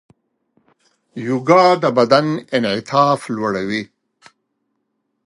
یوګا د بدن انعطاف لوړوي.